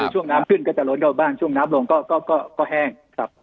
ช่วงน้ำขึ้นก็จะล้นเข้าบ้านช่วงน้ำลงก็แห้งครับ